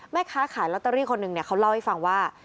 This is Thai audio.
แม่ค้าขายลอตเตอรี่คนหนึ่งเขาเล่าให้ฟังว่า